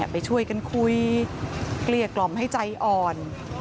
ไปช่วยกันคุยเกลี้ยกล่อมให้ใจอ่อน